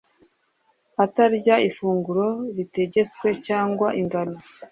atarya ifunguro ritegetswe cyangwa ingano